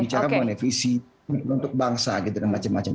bicara mengenai visi untuk bangsa gitu dan macam macam